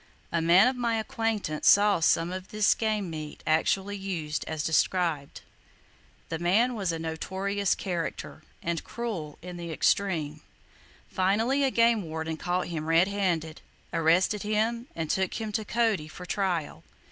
A man of my acquaintance saw some of this game meat actually used as described. The man was a notorious character, and cruel in the extreme. Finally a [Page 72] game warden caught him red handed, arrested him, and took him to Cody for trial.